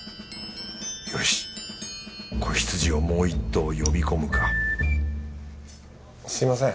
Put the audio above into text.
よし子羊をもう１頭呼び込むかすみません。